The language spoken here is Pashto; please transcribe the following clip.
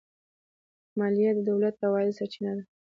مالیه د دولت د عوایدو سرچینه ده.